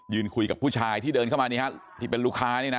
คุยกับผู้ชายที่เดินเข้ามานี่ฮะที่เป็นลูกค้านี่นะ